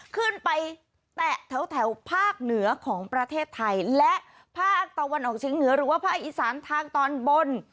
ขึ้นไปแตะแถวภาคเหนือของประเทศไทยและภาคตะวันออกเชียงเหนือหรือว่าภาคอีสานทางตอนบน